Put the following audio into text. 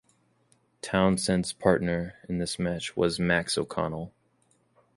Townsend's partner in this match was Max O'Connell.